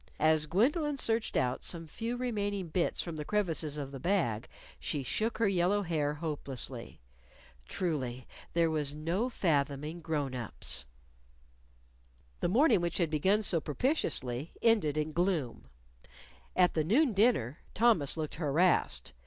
As Gwendolyn searched out some few remaining bits from the crevices of the bag, she shook her yellow hair hopelessly. Truly there was no fathoming grown ups! The morning which had begun so propitiously ended in gloom. At the noon dinner, Thomas looked harassed.